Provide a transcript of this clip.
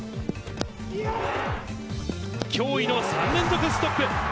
驚異の３連続ストップ。